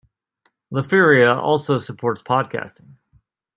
Liferea also supports Podcasting.